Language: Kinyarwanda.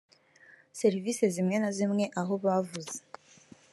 serivisi zimwe na zimwe aho bavuze